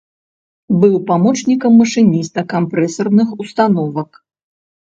Быў памочнікам машыніста кампрэсарных установак.